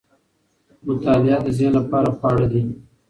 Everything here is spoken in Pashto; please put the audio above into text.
مطالعه د ذهن لپاره خواړه دي.